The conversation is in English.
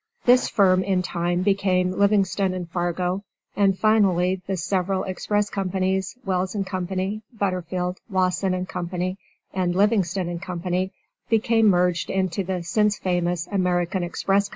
This firm, in time, became Livingston & Fargo, and finally the several express companies: Wells & Co., Butterfield, Wasson & Co. and Livingston & Co., became merged into the since famous American Express Co.